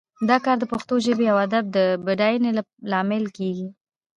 دا کار د پښتو ژبې او ادب د بډاینې لامل کیږي